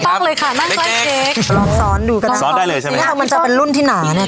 นั่งใกล้เค้กลองซ้อนดูกันซ้อนได้เลยใช่ไหมนี่ฝากมันจะเป็นรุ่นที่หนาเนี่ย